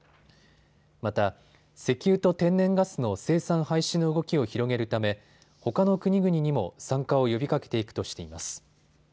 また石油と天然ガスの生産廃止の動きを広げるためほかの国々にも参加を呼びかけていくとしています。